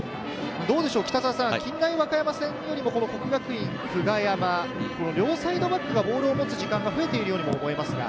近大和歌山戦よりも、國學院久我山、両サイドバックがボールを持つ時間が増えているようにも思いますが。